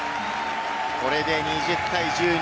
これで２０対１２。